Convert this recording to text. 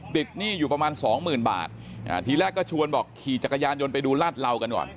หนี้อยู่ประมาณสองหมื่นบาทอ่าทีแรกก็ชวนบอกขี่จักรยานยนต์ไปดูลาดเหลากันก่อน